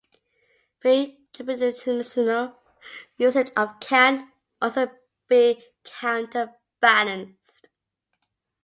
Pre-tribulational usage of can also be counterbalanced.